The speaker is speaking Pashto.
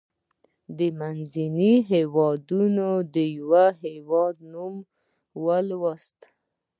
د منځني هيواد دیوه هیواد نوم ووایاست.